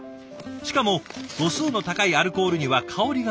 しかも度数の高いアルコールには香りが移りやすい。